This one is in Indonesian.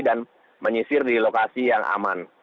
dan menyisir di lokasi yang aman